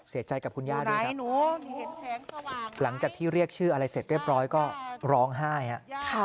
เสียใจกับคุณย่าด้วยครับหลังจากที่เรียกชื่ออะไรเสร็จเรียบร้อยก็ร้องไห้ครับ